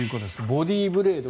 ボディーブレード。